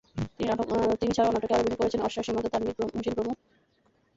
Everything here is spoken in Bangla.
তিনি ছাড়াও নাটকে আরও অভিনয় করেছেন অর্ষা, সীমান্ত, তানভীর হোসেন প্রবাল প্রমুখ।